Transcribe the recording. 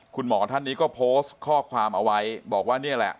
คุณหมอท่านนี้ก็โพสต์ข้อความเอาไว้บอกว่านี่แหละ